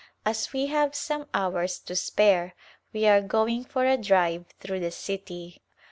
As we have some hours to spare we are going for a drive through the city.